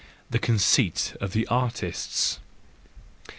87. The Conceit of Artists